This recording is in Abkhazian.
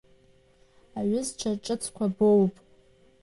Аҩызцәа ҿыцқәа боуп…